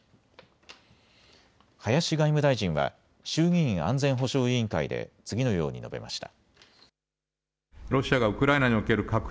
林外務大臣は衆議院安全保障委員会で次のように述べました。